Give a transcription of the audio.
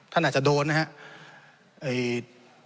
ท่านอาจจะโดนนะครับ